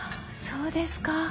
そうですか。